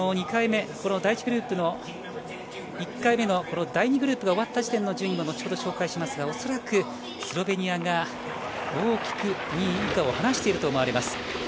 ２回目、第１グループの１回目のこの第２グループが終わった時点の順位は後ほど紹介しますが、おそらくスロベニアが大きく２位以下を離していると思われます。